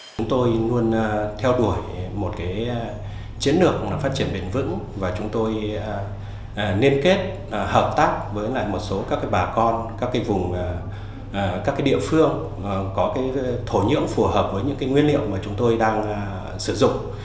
chúng tôi luôn theo đuổi một chiến lược phát triển bền vững và chúng tôi liên kết hợp tác với một số các bà con các vùng các địa phương có thổ nhưỡng phù hợp với những nguyên liệu mà chúng tôi đang sử dụng